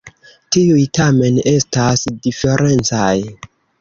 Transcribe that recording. Tiuj tamen estas diferencaj.